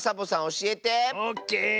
オッケー。